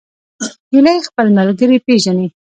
هیلۍ خپل ملګري پیژني